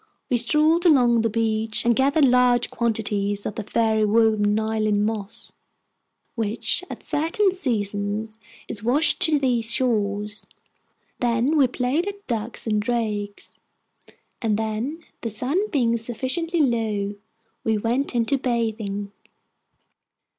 We strolled along the beach and gathered large quantities of the fairy woven Iceland moss, which, at certain seasons, is washed to these shores; then we played at ducks and drakes, and then, the sun being sufficiently low, we went in bathing.